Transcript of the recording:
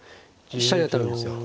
飛車に当たるんですよ。